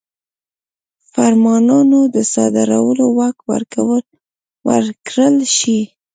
فرمانونو د صادرولو واک ورکړل شي.